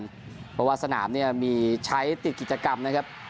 เพราะว่าสนามเนี่ยมีใช้ติดกิจกรรมนะครับ